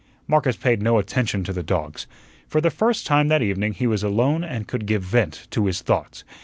Marcus paid no attention to the dogs. For the first time that evening he was alone and could give vent to his thoughts.